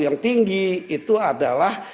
yang tinggi itu adalah